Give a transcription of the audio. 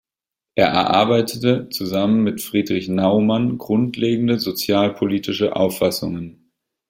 Er erarbeitete zusammen mit Friedrich Naumann grundlegende sozialpolitische Auffassungen.